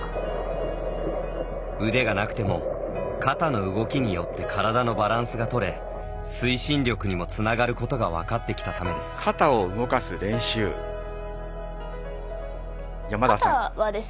腕がなくても肩の動きによって体のバランスがとれ推進力にもつながることが分かってきたためです。